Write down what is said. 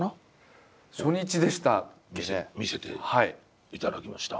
見せていただきました。